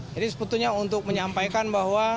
jadi sebetulnya untuk menyampaikan bahwa